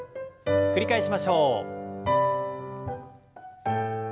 繰り返しましょう。